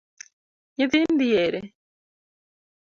Nyithindi ere?